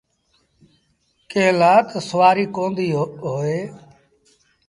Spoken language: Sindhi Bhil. ڪݩهݩ لآ تا سُوآريٚ ڪونديٚ هوئي ديٚ۔